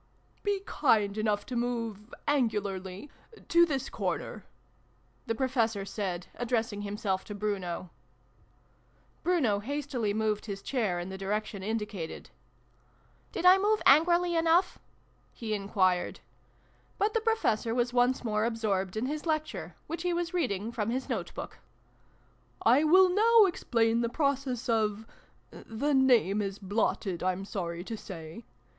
" Be kind enough to move angularly to this corner," the Professor said, addressing himself to Bruno. Bruno hastily moved his chair in the direc tion indicated. " Did I move angrily enough ?" he inquired. But the Professor was once more absorbed in his Lecture, which he was reading from his note book. XXI] THE PROFESSOR'S LECTURE. 339 " I will now explain the Process of the name is blotted, I'm sorry to say.